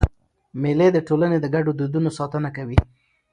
مېلې د ټولني د ګډو دودونو ساتنه کوي.